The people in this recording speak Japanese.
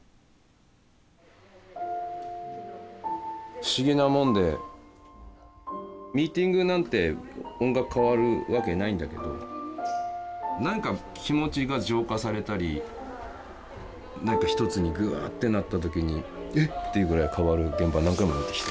不思議なもんでミーティングなんて音楽変わるわけないんだけどなんか気持ちが浄化されたりなんか一つにグワーッてなった時にえっ！っていうぐらい変わる現場何回も見てきた。